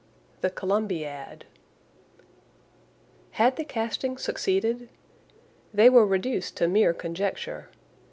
THE COLUMBIAD Had the casting succeeded? They were reduced to mere conjecture.